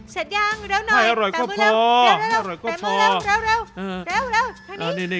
เสร็จยังเร็วหน่อยแต่มือเร็วแต่มือเร็วเร็วเร็วให้อร่อยก็พอ